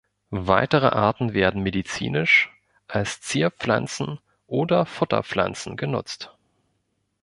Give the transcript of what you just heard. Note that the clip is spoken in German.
Weitere Arten werden medizinisch, als Zierpflanzen oder Futterpflanzen genutzt.